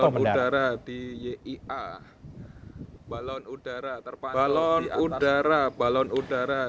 balon udara di yia balon udara terpantau di atas runway yia